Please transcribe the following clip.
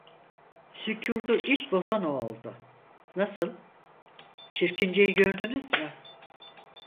Sükutu ilk bozan o oldu: "Nasıl? Çirkince'yi gördünüz mü?"